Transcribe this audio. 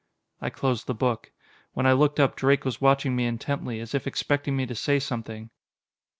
I closed the book. When I looked up, Drake was watching me intently, as if expecting me to say something.